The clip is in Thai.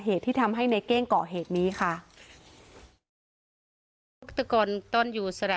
เหตุที่ทำให้ในเกรแก่งเกาะเหตุนี้ค่ะตอนอยู่สละ